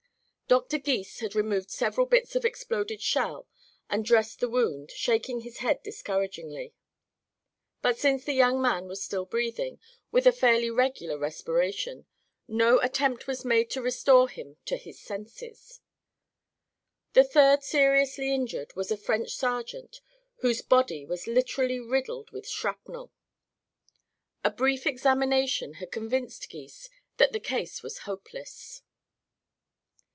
Dr. Gys had removed several bits of exploded shell and dressed the wound, shaking his head discouragingly. But since the young man was still breathing, with a fairly regular respiration, no attempt was made to restore him to his senses. The third seriously injured was a French sergeant whose body was literally riddled with shrapnel. A brief examination had convinced Gys that the case was hopeless.